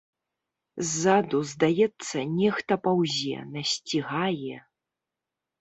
Ззаду, здаецца, нехта паўзе, насцігае.